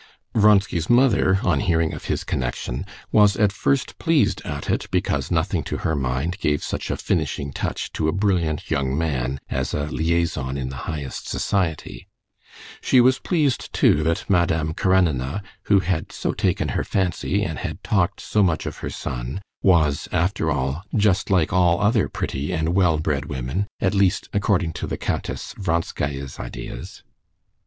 Vronsky's mother, on hearing of his connection, was at first pleased at it, because nothing to her mind gave such a finishing touch to a brilliant young man as a liaison in the highest society; she was pleased, too, that Madame Karenina, who had so taken her fancy, and had talked so much of her son, was, after all, just like all other pretty and well bred women,—at least according to the Countess Vronskaya's ideas.